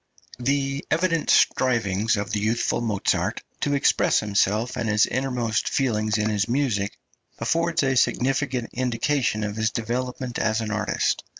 The evident striving of the youthful Mozart to express himself and his innermost feelings in his music affords a significant indication of his development as an artist.